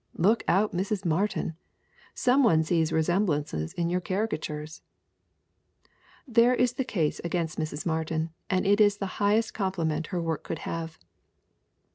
Look out, Mrs. Martin! Some one sees resemblances in your caricatures ! There is the case against Mrs. Martin and it is the highest compliment her work could have.